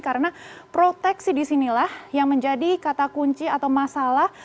karena proteksi disinilah yang menjadi kata kunci atau masalah